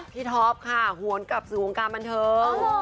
พี่ท็อปค่ะหวนกับศึงวงการบรรเทิง